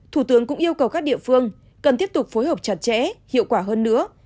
thủ tướng cũng yêu cầu các địa phương cần tiếp tục phối hợp chặt chẽ hiệu quả hơn nữa